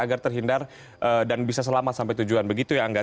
agar terhindar dan bisa selamat sampai tujuan begitu ya angga